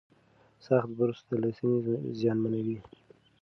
سخت برس د لثې زیانمنوي.